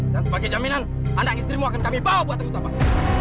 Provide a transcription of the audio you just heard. dan sebagai jaminan anak istrimu akan kami bawa buat tengku tabang